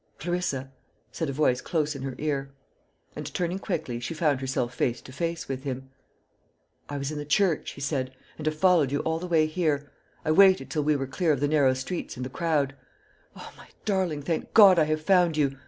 "Clarissa," said a voice close in her ear; and turning quickly, she found herself face to face with him. "I was in the church," he said, "and have followed you all the way here. I waited till we were clear of the narrow streets and the crowd. O, my darling, thank God I have found you!